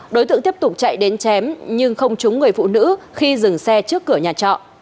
đối tượng tiếp tục chạy đến chém nhưng không trúng người phụ nữ khi dừng xe trước cửa nhà trọ